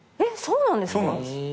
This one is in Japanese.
そうなんですか？